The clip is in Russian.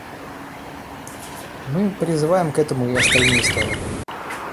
Мы призываем к этому и остальные стороны.